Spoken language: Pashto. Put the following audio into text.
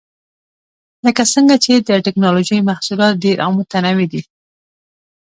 لکه څنګه چې د ټېکنالوجۍ محصولات ډېر او متنوع دي.